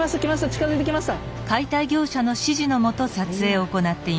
近づいてきました。